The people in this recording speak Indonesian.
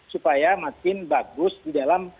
supaya makin bagus di dalam